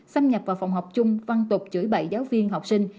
xâm nhập vào phòng học chung văn tục chửi bậy giáo viên học sinh